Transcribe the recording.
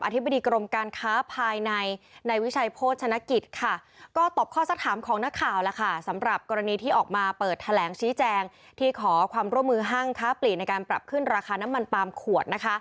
ตรงนี้ขอร้องว่าเลิกได้แล้ว